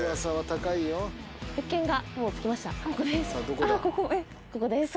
ここです。